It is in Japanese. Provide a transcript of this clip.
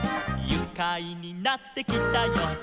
「ゆかいになってきたよ」